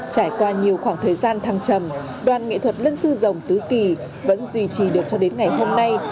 trải qua nhiều khoảng thời gian thăng trầm đoàn nghệ thuật lân sư dòng tứ kỳ vẫn duy trì được cho đến ngày hôm nay